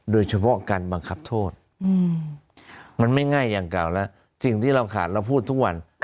โดยเฉพาะการบังคับโทษมันไม่ง่ายอย่างเก่าแล้วสิ่งที่เราขาดเราพูดทุกวัน